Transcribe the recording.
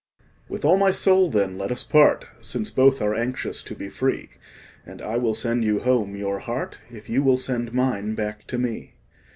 TO ....... With all my soul, then, let us part, Since both are anxious to be free; And I will sand you home your heart, If you will send mine back to me.